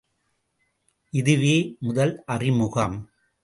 இதுவே முதல் அறிமுகம்.